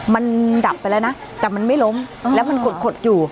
มันดับไปแล้วนะแต่มันไม่ล้มแล้วมันขดอยู่